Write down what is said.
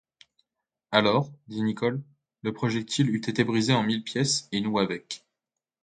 Alors, dit Nicholl, le projectile eût été brisé en mille pièces, et nous avec.